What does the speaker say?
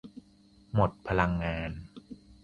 หมดพลังงาน